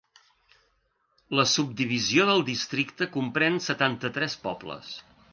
La subdivisió del districte comprèn setanta-tres pobles.